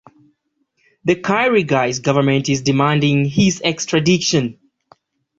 The Kyrgyz government is demanding his extradition.